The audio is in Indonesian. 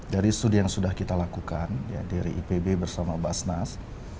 dari studi yang sudah kita lakukan dari ipb bersama basnas